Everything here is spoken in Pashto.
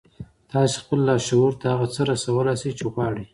تاسې خپل لاشعور ته هغه څه رسولای شئ چې غواړئ